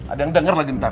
ada yang denger lagi ntar